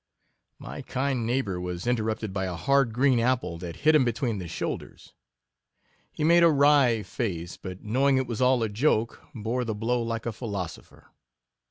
My kind neighbour was interrupted by a hard green apple that hit him between the shoulders — he made a wry face, but knowing it was all a joke, bore the blow like a philosopher.